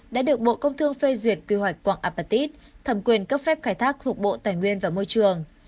đã được bộ công thương phê duyệt quy hoạch quạng apatit thẩm quyền cấp phép khai thác thuộc bộ tài nguyên và môi trường